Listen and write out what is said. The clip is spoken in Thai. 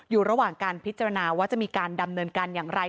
อยู่ระหว่างการพิจารณาว่าจะมีการดำเนินการอย่างไร